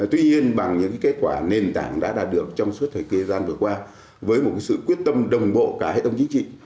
tuy nhiên bằng những kết quả nền tảng đã đạt được trong suốt thời kỳ gian vừa qua với một sự quyết tâm đồng bộ cả hệ thống chính trị